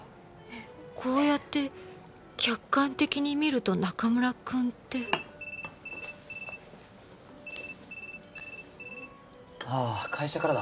こうやって客観的に見ると中村くんってああ会社からだ。